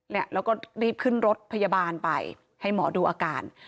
แล้วก็รีบขึ้นรถพยาบาลไปให้หมอดูอาการ